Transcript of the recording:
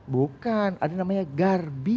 bukan ada namanya garbi